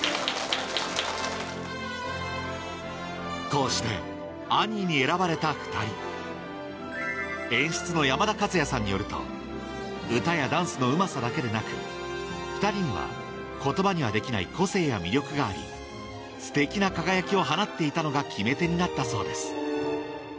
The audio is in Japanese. こうしてアニーに選ばれた２人演出の山田和也さんによると歌やダンスのうまさだけでなく２人には言葉にはできない個性や魅力がありステキな輝きを放っていたのが決め手になったそうです